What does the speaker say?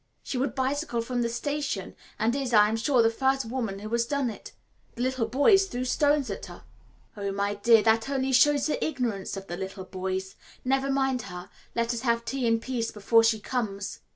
She would bicycle from the station, and is, I am sure, the first woman who has done it. The little boys threw stones at her." "Oh, my dear, that only shows the ignorance of the little boys. Never mind her. Let us have tea in peace before she comes."